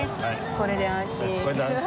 これで安心。